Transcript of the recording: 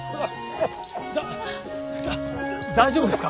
だ大丈夫ですか？